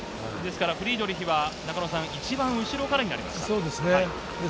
フリードリヒは一番後ろからになります。